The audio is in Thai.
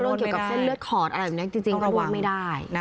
เกี่ยวกับเส้นเลือดขอดอะไรแบบนี้จริงก็ว่าไม่ได้